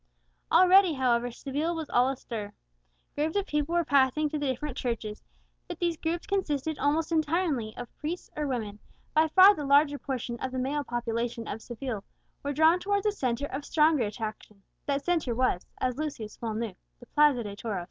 Already, however, Seville was all astir. Groups of people were passing to the different churches, but these groups consisted almost entirely of priests or women; by far the larger portion of the male population of Seville were drawn towards a centre of stronger attraction, that centre was, as Lucius well knew, the Plaza de Toros.